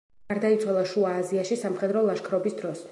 გარდაიცვალა შუა აზიაში სამხედრო ლაშქრობის დროს.